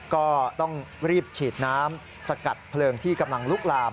ก็ต้องรีบฉีดน้ำสกัดเพลิงที่กำลังลุกลาม